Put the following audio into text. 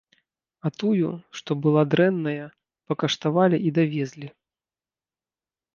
А тую, што была дрэнная, пакаштавалі і давезлі.